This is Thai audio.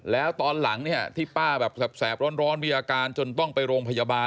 แล้วตอนหลังเนี่ยที่ป้าแบบแสบร้อนมีอาการจนต้องไปโรงพยาบาล